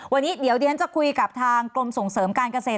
วันนี้เดี๋ยวดิฉันจะคุยกับทางกรมส่งเสริมการเกษตร